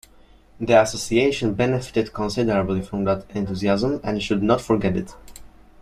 The Association benefited considerably from that enthusiasm and should not forget it.